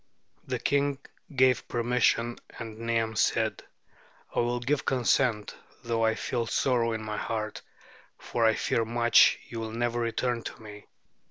The king gave permission, and Niam said: "I will give consent, though I feel sorrow in my heart, for I fear much you will never return to me."